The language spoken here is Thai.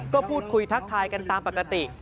ก็พูดคุยทักทายกันตามปกติ